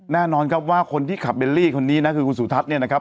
แน่นอนครับว่าคนที่ขับเบลลี่คนนี้นะคือคุณสุทัศน์เนี่ยนะครับ